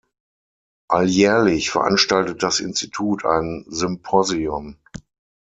Alljährlich veranstaltet das Institut ein Symposion.